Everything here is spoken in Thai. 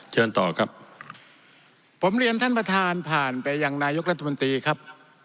เชิญต่อครับผมเรียนท่านประธานผ่านไปยังนายกรัฐมนตรีครับ